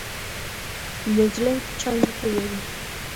نجلۍ چای نه تویوي.